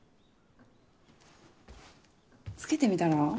つけてみたら？